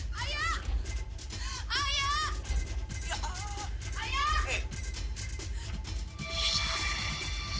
saya memang tak percaya sama bapak